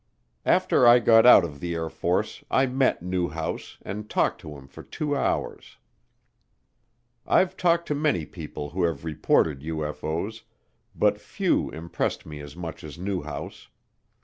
After I got out of the Air Force I met Newhouse and talked to him for two hours. I've talked to many people who have reported UFO's, but few impressed me as much as Newhouse.